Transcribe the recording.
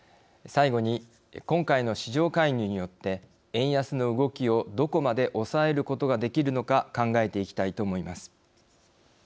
最後に、今回の市場介入によって円安の動きをどこまで抑えることができるのか考えていきたいと思います。